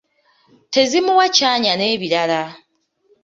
tezimuwa kyanya n’ebirala